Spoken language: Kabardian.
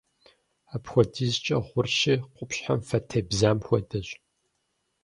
Апхуэдизкӏэ гъурщи, къупщхьэм фэ тебзам хуэдэщ.